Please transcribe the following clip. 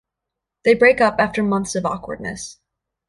They break up after months of awkwardness.